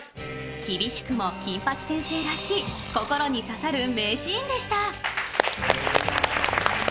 厳しくも金八先生らしい心に刺さる名シーンでした。